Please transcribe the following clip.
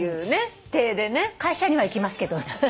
会社には行きますけど。